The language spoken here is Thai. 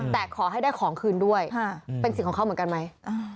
แต่ขอให้ได้ของคืนด้วยเป็นสิทธิ์ของเขาเหมือนกันไหม